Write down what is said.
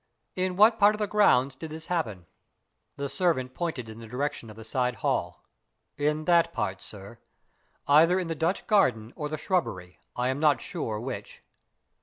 "In what part of the grounds did this happen?" The servant pointed in the direction of the side hall. "In that part, sir. Either in the Dutch garden or the shrubbery. I am not sure which."